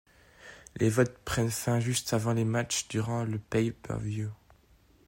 Les votes prennent fin juste avant les matchs durant le pay per view.